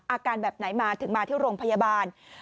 อาการแบบไหนมาถึงมาที่โรงพยาบาล